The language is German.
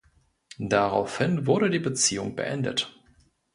Daraufhin wurde die Beziehung beendet.